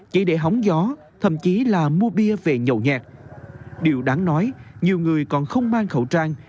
chỉ để hóng gió thậm chí là mua bia về nhậu nhẹt điều đáng nói nhiều người còn không mang khẩu trang